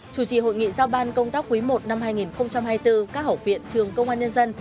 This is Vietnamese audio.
chủ trì hội nghị giao ban công tác quý i năm hai nghìn hai mươi bốn các hậu viện trường công an nhân dân